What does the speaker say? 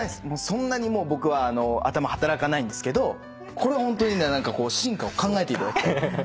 そんなに僕は頭働かないんですけどこれホントに進化を考えていただきたい。